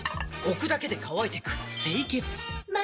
置くだけで乾いてく清潔